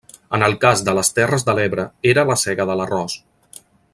En el cas de les terres de l'Ebre era la sega de l'arròs.